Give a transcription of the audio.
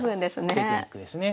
テクニックですね。